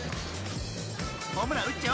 ［ホームラン打っちゃお！